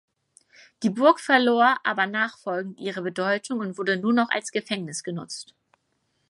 Die Burg verlor aber nachfolgend ihre Bedeutung und wurde nur noch als Gefängnis genutzt.